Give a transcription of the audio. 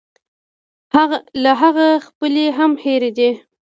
له هغه خپلې هم هېرې دي.